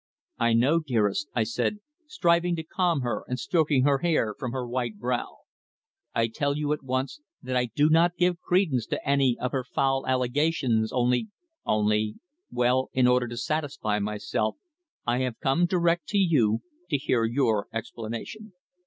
"I know, dearest," I said, striving to calm her, and stroking her hair from her white brow. "I tell you at once that I do not give credence to any of her foul allegations, only well, in order to satisfy myself, I have come direct to you to hear your explanation."